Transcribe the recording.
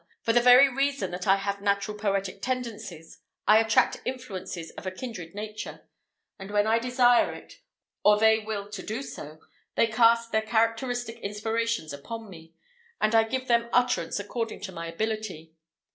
For the very reason that I have natural poetic tendencies, I attract influences of a kindred nature; and when I desire it, or they will to do so, they cast their characteristic inspirations upon me, and I give them utterance according to my ability.